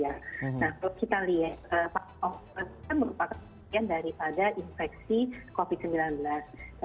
nah kalau kita lihat pak ong ini merupakan kematian daripada infeksi covid sembilan belas